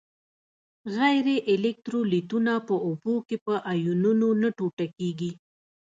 غیر الکترولیتونه په اوبو کې په آیونونو نه ټوټه کیږي.